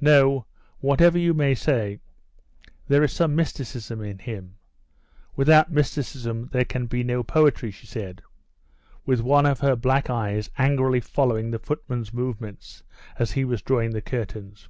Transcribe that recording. "No; whatever you may say, there is some mysticism in him; without mysticism there can be no poetry," she said, with one of her black eyes angrily following the footman's movements as he was drawing the curtains.